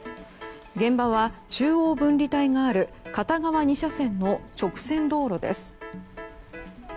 現場は中央分離帯がある片側２車線の直線道路です。